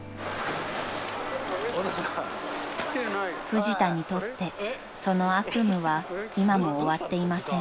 ［フジタにとってその悪夢は今も終わっていません］